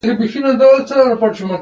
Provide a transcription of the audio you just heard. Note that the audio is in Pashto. جان سپینس وایي ارزښت له قیمت څخه مهم دی.